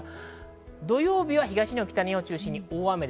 土曜日は東日本、北日本を中心に大雨。